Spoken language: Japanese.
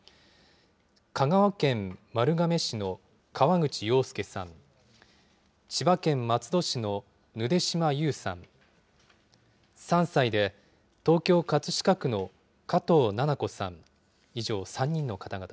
香川県丸亀市の河口洋介さん、千葉県松戸市のぬで島優さん、３歳で東京・葛飾区の加藤七菜子さん。